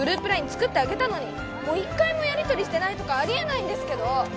ＬＩＮＥ作ってあげたのにもう一回もやり取りしてないとかありえないんですけど！